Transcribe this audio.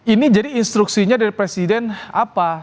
ini jadi instruksinya dari presiden apa